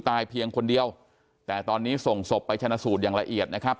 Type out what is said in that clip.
เพียงคนเดียวแต่ตอนนี้ส่งศพไปชนะสูตรอย่างละเอียดนะครับ